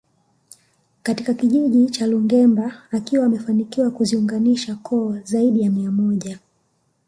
Katika kijiji cha Lungemba akiwa amefanikiwa kuziunganisha koo zaidi ya mia moja